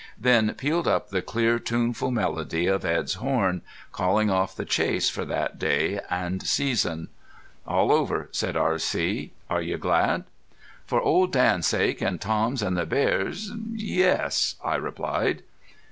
Then pealed up the clear tuneful melody of Edd's horn, calling off the chase for that day and season. "All over," said R.C. "Are you glad?" "For Old Dan's sake and Tom's and the bears yes," I replied.